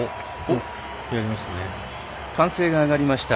歓声が上がりました。